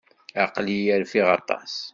Aql-iyi rfiɣ aṭas.